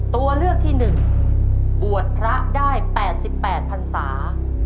ตัวเลือกที่๑บวชพระได้๘๘พันศา